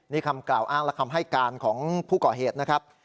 นี่คำกล่าวอ้างและคำให้การของผู้ก่อเหตุนะครับ